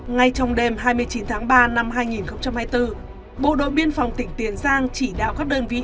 ngay trong đêm hai mươi chín tháng ba năm hai nghìn hai mươi bốn bộ đội biên phòng tỉnh tiền giang chỉ đạo các đơn vị